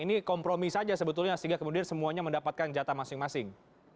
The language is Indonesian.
ini kompromi saja sebetulnya sehingga kemudian semuanya mendapatkan jatah masing masing